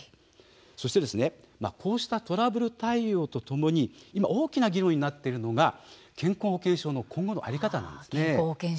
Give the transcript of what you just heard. そして、こうしたトラブル対応とともに今、大きな議論となっているのが健康保険証の今後の在り方なんです。